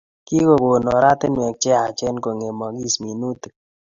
Kikokon oratinwek che yachen kokemongkis minutik